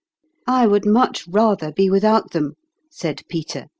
" I would much rather be without them," said Peter.